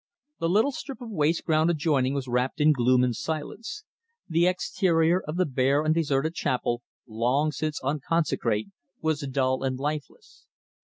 The little strip of waste ground adjoining was wrapped in gloom and silence. The exterior of the bare and deserted chapel, long since unconsecrate, was dull and lifeless.